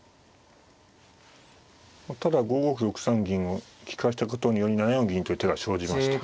ただ５五歩６三銀を利かしたことにより７四銀という手が生じました。